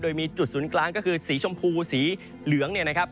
โดยมีจุดศูนย์กลางก็คือสีชมพูสีเหลืองเนี่ยนะครับ